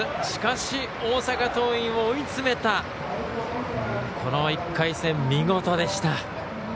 しかし、大阪桐蔭を追い詰めたこの１回戦、見事でした。